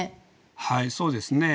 はいそうですね。